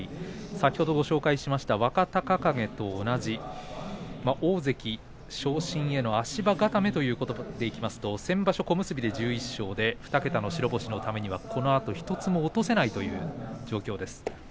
先ほどご紹介した若隆景と同じ大関昇進への足場固めということでいいますと先場所、小結で１１勝２桁の白星のためにはこのあと１つも落とせないという状況です。